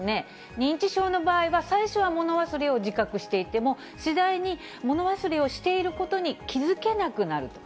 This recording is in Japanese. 認知症の場合は、最初は物忘れを自覚していても、次第に物忘れをしていることに気付けなくなると。